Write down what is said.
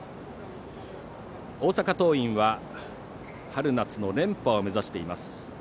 大阪桐蔭は春夏の連覇を目指しています。